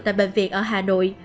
tại bệnh viện ở hà nội